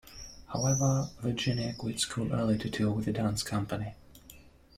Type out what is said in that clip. However, Virginia quit school early to tour with a dance company.